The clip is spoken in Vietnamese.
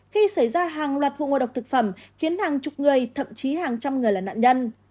khi xảy ra hàng loạt vụ ngộ độc thực phẩm khiến hàng chục người thậm chí hàng trăm người là nạn nhân